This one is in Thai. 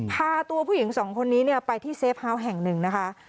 พาตัวผู้หญิงสองคนนี้ไปที่เฟฟ้าแห่งหนึ่งนะคะ